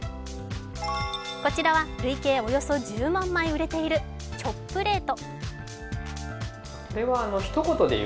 こちらは、累計およそ１０万枚売れているチョップレート。